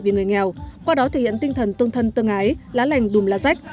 vì người nghèo qua đó thể hiện tinh thần tương thân tương ái lá lành đùm lá rách